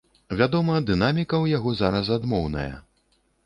Вядома, дынаміка ў яго зараз адмоўная.